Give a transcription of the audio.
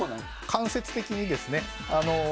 間接的にですね。